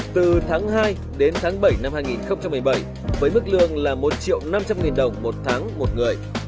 từ tháng hai đến tháng bảy năm hai nghìn một mươi bảy với mức lương là một triệu năm trăm linh nghìn đồng một tháng một người